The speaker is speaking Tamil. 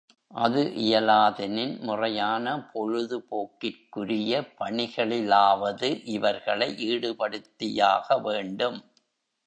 அது இயலாதெனின் முறையான பொழுதுபோக்கிற் குரிய பணிகளிலாவது இவர்களை ஈடுபடுத்தியாக வேண்டும்.